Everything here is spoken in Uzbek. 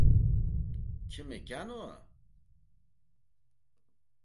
— Kim ekan, u?